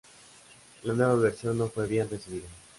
La nueva versión no fue bien recibida.